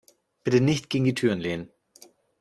Bitte nicht gegen die Türen lehnen.